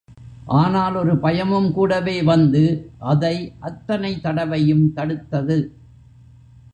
ஆனால் ஒரு பயமும் கூடவே வந்து அதை அத்தனை தடவையும் தடுத்தது.